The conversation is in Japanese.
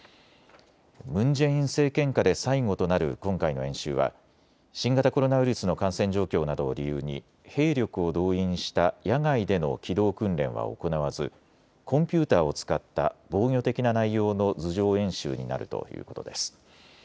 ムン・ジェイン政権下で最後となる今回の演習は新型コロナウイルスの感染状況などを理由に兵力を動員した野外での機動訓練は行わずコンピューターを使った防御的な内容の図上演習になるということです。